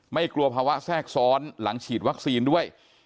ไม่กลัวภาวะแทรกซ้อนหลังฉีดวัคซีนด้วย